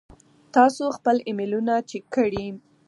تاسو خپل ایمیلونه چیک کړئ.